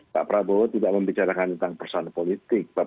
pak prabowo tidak membicarakan tentang persoalan politik